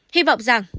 hy vọng rằng